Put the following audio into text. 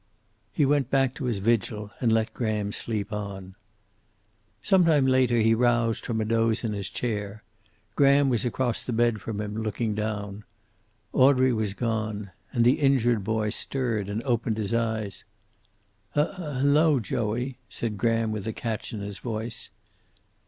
He went back to his vigil, and let Graham sleep on. Some time later he roused from a doze in his chair. Graham was across the bed from him, looking down. Audrey was gone. And the injured boy stirred and opened his eyes. "H hello, Joey," said Graham, with a catch in his voice.